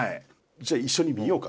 じゃあ一緒に見ようか。